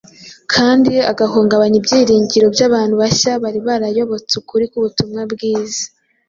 kandi agahungabanya ibyiringiro by’abantu bashya bari barayobotse ukuri k’ubutumwa bwiza.